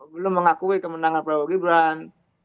belum mengakui kemenangan prabowo gibran